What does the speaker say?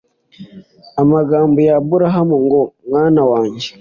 Amagambo ya Aburahamu ngo: «Mwana wanjye,